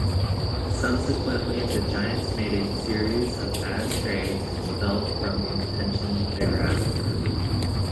Subsequently, the Giants made a series of bad trades and fell from contention thereafter.